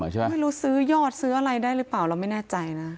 ไม่รู้ซื้อยอดซื้ออะไรได้หรือเปล่าเราไม่แน่ใจนะ